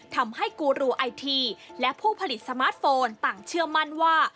ทำให้กูรูไอทีและผู้ผลิตสมาร์ทโฟนต่างเชื่อมั่นว่า